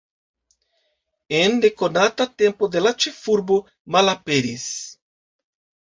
En nekonata tempo la ĉefurbo malaperis.